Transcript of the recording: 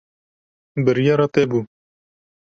Biryara te bû.